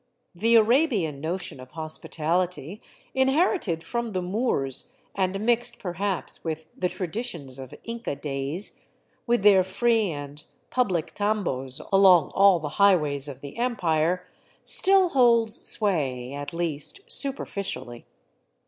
The Arabian notion of hospitality, inherite< from the Moors and mixed perhaps with the traditions of Inca days^ with their free and public tambos along all the highways of the empire^ still holds sway, at least superficially.